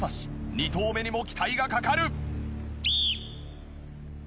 ２投目にも期待がかかる！